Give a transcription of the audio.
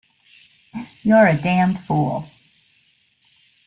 You're a damned fool!